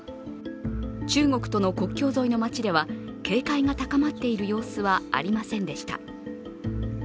中国との国境沿いの町では警戒が高まっている様子はありませんでした。